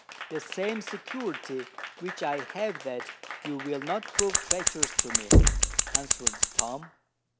"The same security which I have that you will not prove treacherous to me," answered Tom.